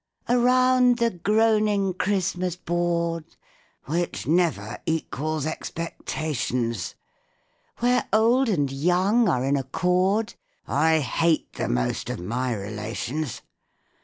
_) Around the groaning Christmas board, (Which never equals expectations,) Where old and young are in accord (_I hate the most of my relations!